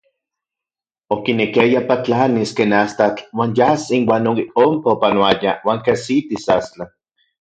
Okinekiaya patlanis ken astatl uan yas inuan non ik onpa opanoayaj uan kajsitis Astlan.